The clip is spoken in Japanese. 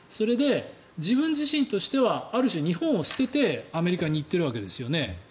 自分自身としてはある種、日本を捨ててアメリカに行っているわけですよね。